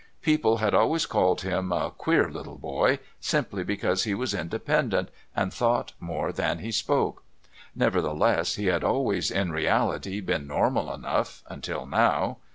People had always called him "a queer little boy," simply because he was independent and thought more than he spoke. Nevertheless, he had always in reality been normal enough until now.